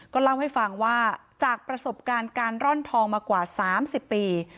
เล่าให้ฟังว่าจากประสบการณ์การร่อนทองมากว่า๓๐ปี